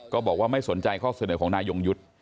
บอกว่าไม่สนใจข้อเสนอของนายยงยุทธ์